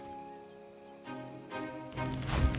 dia mencari kekuatan